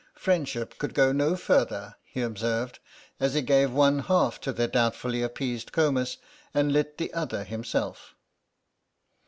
"Friendship could go no further," he observed, as he gave one half to the doubtfully appeased Comus, and lit the other himself.